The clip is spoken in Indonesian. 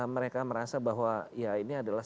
mereka merasa bahwa ya ini adalah